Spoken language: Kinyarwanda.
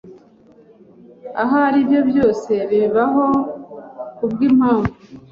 Ahari ibyo byose bibaho kubwimpamvu.